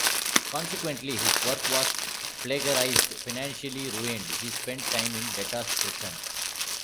Consequently, his work was plagiarised; financially ruined, he spent time in debtors' prison.